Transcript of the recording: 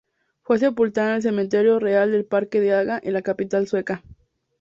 Fue sepultada en el Cementerio Real del Parque de Haga, en la capital sueca.